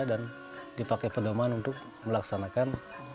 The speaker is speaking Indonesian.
dan dipakai pendoman untuk melaksanakan